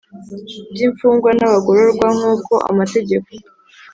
By imfungwa n abagororwa nk uko amategeko